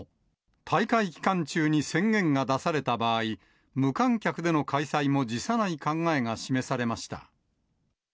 大会期間中に宣言が出された場合、無観客での開催も辞さない考えが示されました。